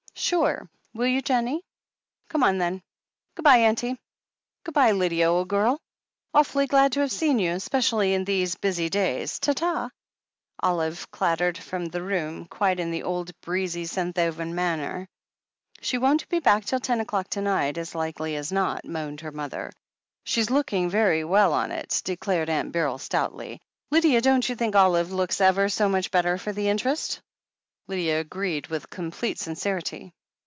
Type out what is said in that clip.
"Sure! Will you, Jennie?" "Come on, then. Goo' bye, aimtie ; goo' bye, Lydia, jole gurl. Awfully glad to have seen you — 'specially in these busy days. Ta ta !" Olive clattered from the room, quite in the old, breezy Senthoven manner. "She won't be back till ten o'clock to night, as likely as not," moaned her mother. "She's looking very well on it," declared Aunt Beryl stoutly. "Lydia, don't you think Olive looks ever so much better for the interest ?" Lydia agreed with complete sincerity.